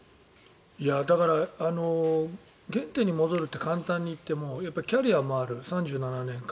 だから原点に戻るって簡単に言ってもキャリアもある、３７年間。